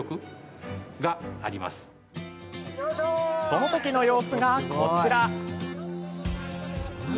その時の様子がこちら。